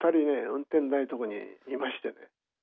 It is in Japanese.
運転台のとこにいましてね。